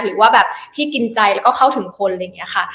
หรือว่าแบบที่กินใจแล้วก็เข้าถึงคนอะไรอย่างนี้ค่ะ